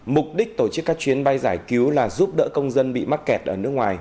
mục đích tổ chức các chuyến bay giải cứu là giúp đỡ công dân bị mắc kẹt ở nước ngoài